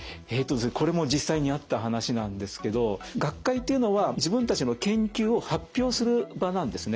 これも実際にあった話なんですけど学会というのは自分たちの研究を発表する場なんですね。